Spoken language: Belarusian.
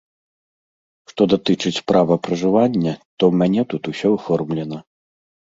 Што датычыць права пражывання, то ў мяне тут усё аформлена.